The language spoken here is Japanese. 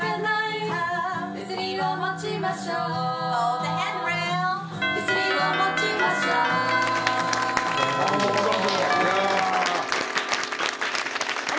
おめでとうございます。